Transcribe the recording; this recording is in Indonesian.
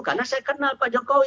karena saya kenal pak jokowi